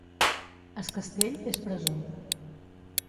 Es Castell és presó.